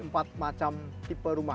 empat macam tipe rumah